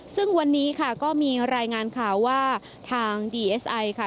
ซึ่งวันนี้ค่ะก็มีรายงานข่าวว่าทางดีเอสไอค่ะ